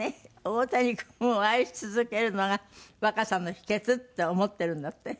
大谷君を愛し続けるのが若さの秘訣って思ってるんだって？